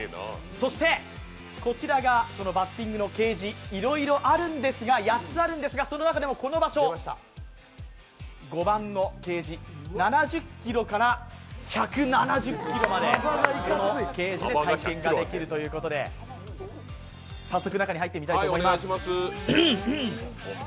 そしてこちらがそのバッティングのケージ、いろいろあるんですが、８つあるんですがこの場所、５番のケージ、７０キロから１７０キロまで、このケージで体験ができるということで、早速、中に入っていきたいと思います。